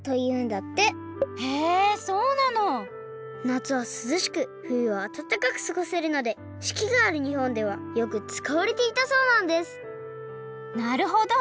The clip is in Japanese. なつはすずしくふゆはあたたかくすごせるのでしきがあるにほんではよくつかわれていたそうなんですなるほど！